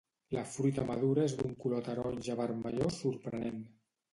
La fruita madura és d'un color taronja vermellós sorprenent.